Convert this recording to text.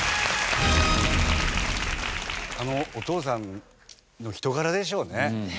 あのお父さんの人柄でしょうね。